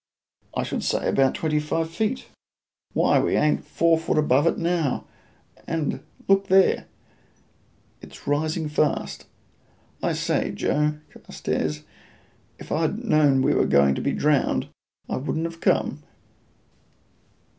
"I should say about twenty five feet?" "Why, we ain't four foot above it now; and look there! it's a rising fast. I say, Joe Carstairs, if I'd known we were going to be drowned I wouldn't have come."